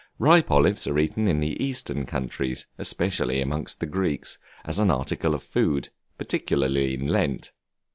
Ripe olives are eaten in the Eastern countries, especially amongst the Greeks, as an article of food, particularly in Lent.